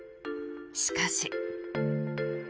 しかし。